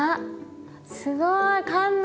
すごい感動！